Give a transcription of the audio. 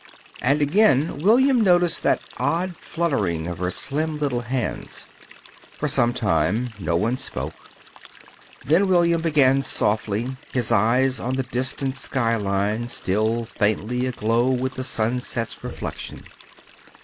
And again William noticed that odd fluttering of the slim little hands. For a time no one spoke, then William began softly, his eyes on the distant sky line still faintly aglow with the sunset's reflection.